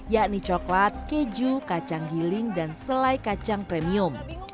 yakni coklat keju kacang giling dan selai kacang premium